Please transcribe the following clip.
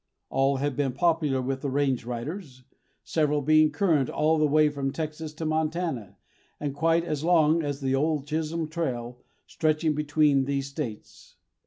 All have been popular with the range riders, several being current all the way from Texas to Montana, and quite as long as the old Chisholm Trail stretching between these states.